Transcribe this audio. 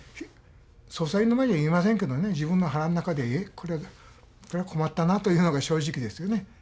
捜査員の前では言えませんけどね自分の腹ん中でこれは困ったなというのが正直ですよね。